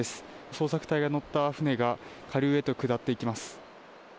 捜索隊が乗った船が下流へと下っていきます。